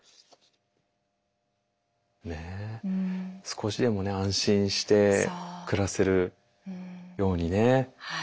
少しでも安心して暮らせるようにね。